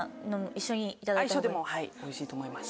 一緒でもおいしいと思います。